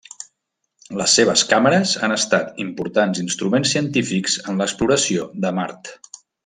Les seves càmeres han estat importants instruments científics en l'exploració de Mart.